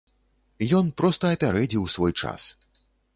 Ён проста апярэдзіў свой час.